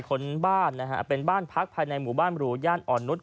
คนบ้านนะฮะเป็นบ้านพักภายในหมู่บ้านหรูย่านอ่อนนุษย